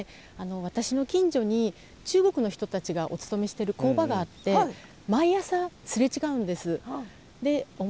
私の近所に中国の人たちがお勤めしてる工場があって毎朝すれ違うんです。